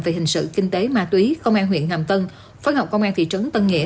về hình sự kinh tế ma túy công an huyện hàm tân phối hợp công an thị trấn tân nghĩa